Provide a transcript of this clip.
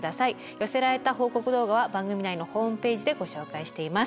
寄せられた報告動画は番組内のホームページでご紹介しています。